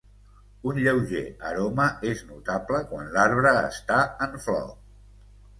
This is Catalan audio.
Un lleuger aroma és notable quan l'arbre està en flor.